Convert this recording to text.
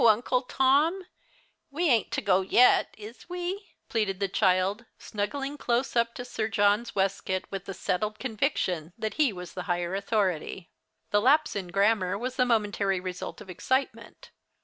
Uncle Tom. We ain't to go yet, is we?" pleaded the child, snuggling close up to Sir John's waistcoat, with a settled conviction that he was the higher authority. The lapse in grammar was the momentary result of excitement.